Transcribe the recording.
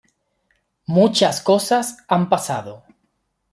Muchas cosas han pasado.